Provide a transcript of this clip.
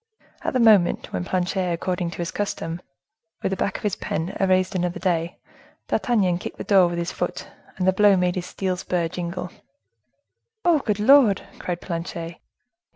At the moment when Planchet, according to his daily custom, with the back of his pen, erased another day, D'Artagnan kicked the door with his foot, and the blow made his steel spur jingle. "Oh! good Lord!" cried Planchet.